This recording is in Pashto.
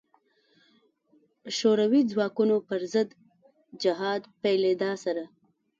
شوروي ځواکونو پر ضد جهاد پیلېدا سره.